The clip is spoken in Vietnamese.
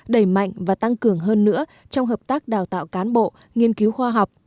đẩy mạnh và tăng cường hơn nữa trong hợp tác đào tạo cán bộ nghiên cứu khoa học